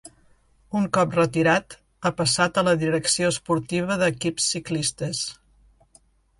Un cop retirat ha passat a la direcció esportiva d'equips ciclistes.